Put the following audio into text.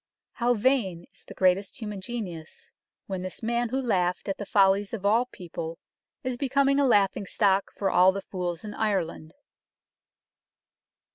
How vain is the greatest human genius, when this Man who laughed at the follies of all People is becoming a laughing Stock for all the fools in Ireland."